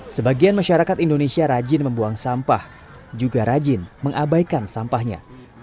sebagian masyarakat indonesia rajin membuang sampah juga rajin mengabaikan sampahnya